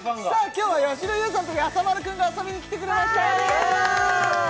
今日はやしろ優さんとやさ丸くんが遊びに来てくれましたお願いします